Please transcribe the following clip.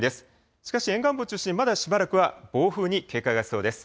しかし沿岸部を中心に、まだしばらくは暴風に警戒が必要です。